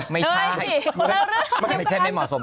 ไม่ใช่ไม่ใช่ไม่เหมาะสม